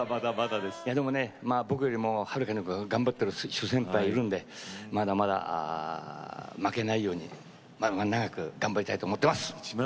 僕よりもはるかに頑張っている諸先輩いるのでまだまだ負けないようにまだまだ長く頑張っていきたいと思います。